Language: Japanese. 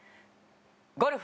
ゴルフ。